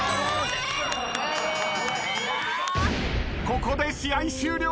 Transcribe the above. ここで試合終了。